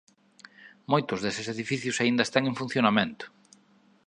Moitos deses edificios aínda están en funcionamento.